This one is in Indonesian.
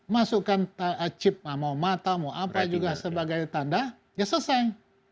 masukkan chip mau mata mau apa juga sebagai tanda ya selesai